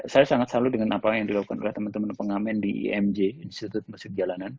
saya sangat selalu dengan apa yang dilakukan oleh teman teman pengamen di imj